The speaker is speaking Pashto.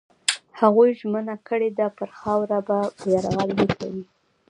هغوی ژمنه کړې ده پر خاوره به یرغل نه کوي.